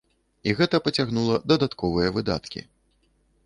І гэта пацягнула дадатковыя выдаткі.